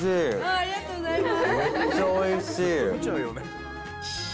ありがとうございます！